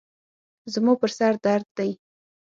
زما پر سر درد دی.